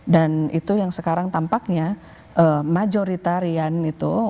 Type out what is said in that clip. dan itu yang sekarang tampaknya majoritarian itu